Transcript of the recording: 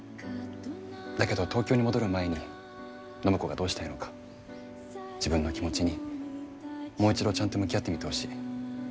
だけど東京に戻る前に暢子がどうしたいのか自分の気持ちにもう一度ちゃんと向き合ってみてほしい。